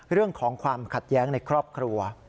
เรื่องของความขัดแย้งในครอบครัว